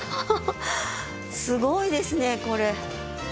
ハハハすごいですねこれ。